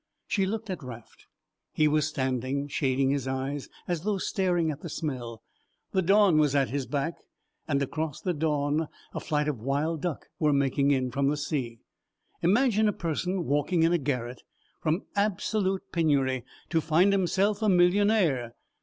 She looked at Raft. He was standing, shading his eyes as though staring at the smell. The dawn was at his back, and across the dawn a flight of wild duck was making in from the sea. Imagine a person walking in a garret from absolute penury to find himself a millionaire.